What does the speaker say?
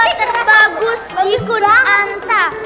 robot terbagus di kunanta